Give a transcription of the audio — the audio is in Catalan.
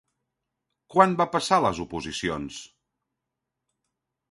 Quan va passar les oposicions?